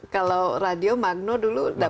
kalau radio magno dulu dapat kata dari